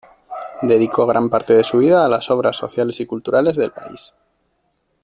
Dedicó gran parte de su vida a las obras sociales y culturales del país.